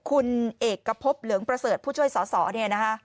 คุณเอกพบเหลืองประเสริฐผู้ช่วยสอสอเนี่ยนะคะ